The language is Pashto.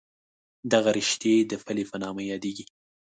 دغه رشتې د پلې په نامه یادېږي.